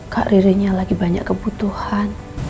kak ririnya lagi banyak kebutuhan